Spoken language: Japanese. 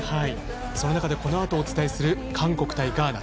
その中で、このあとお伝えする韓国対ガーナ。